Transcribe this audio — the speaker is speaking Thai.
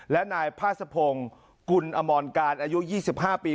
และนายพาสะพงศ์กุลอมรการอายุ๒๕ปี